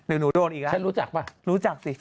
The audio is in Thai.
เดี๋ยวหนูโดนอีกละรู้จักสิ